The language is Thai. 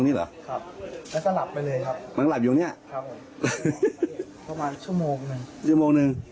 เพราะเขาคุยไม่รู้เรื่อง